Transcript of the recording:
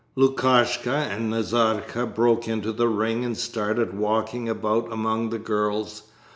"' Lukashka and Nazarka broke into the ring and started walking about among the girls.